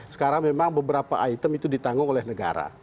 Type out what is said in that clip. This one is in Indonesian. sekarang memang beberapa item itu ditanggung oleh negara